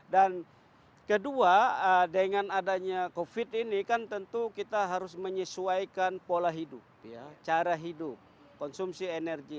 dan kedua dengan adanya covid ini kan tentu kita harus menyesuaikan pola hidup cara hidup konsumsi energi